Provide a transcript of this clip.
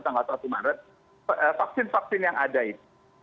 tanggal satu maret vaksin vaksin yang ada itu